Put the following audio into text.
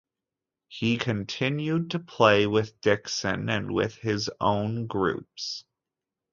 He continued to play with Dixon and with his own groups.